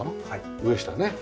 上下ね。